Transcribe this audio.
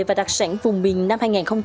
và đặc sản vùng miền năm hai nghìn hai mươi